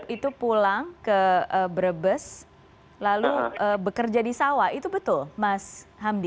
itu pulang ke brebes lalu bekerja di sawah itu betul mas hamdi